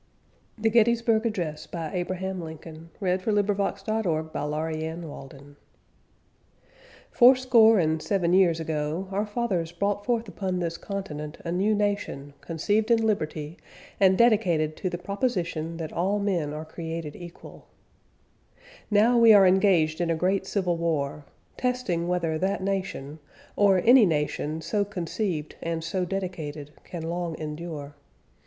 Address, given November 19, 1863 on the battlefield near Gettysburg, Pennsylvania, USA Four score and seven years ago, our fathers brought forth upon this continent a new nation: conceived in liberty, and dedicated to the proposition that all men are created equal. Now we are engaged in a great civil war. . .testing whether that nation, or any nation so conceived and so dedicated. .. can long endure.